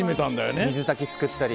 水炊き作ったり。